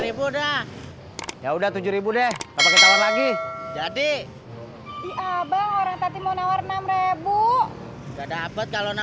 rp lima delapan ribu udah ya udah rp tujuh deh lagi jadi abang orang tadi mau nawar rp enam dapat kalau